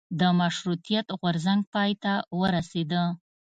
د مشروطیت غورځنګ پای ته ورسیده.